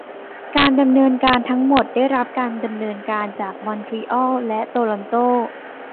การดำเนินการทั้งหมดได้รับการดำเนินการจากมอนทรีออลและโตรอนโต